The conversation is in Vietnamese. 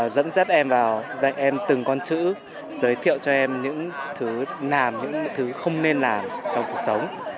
dẫn dắt em vào dạy em từng con chữ giới thiệu cho em những thứ làm những thứ không nên làm trong cuộc sống